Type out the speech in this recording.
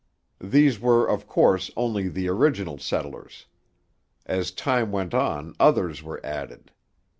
These were, of course, only the original settlers. As time went on others were added.